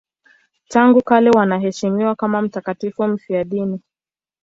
Tangu kale wanaheshimiwa kama mtakatifu mfiadini.